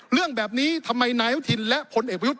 เรื่องแบบนี้ทำไมนายอนุทินและผลเอกประยุทธ์